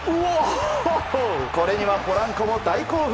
これにはポランコも大興奮。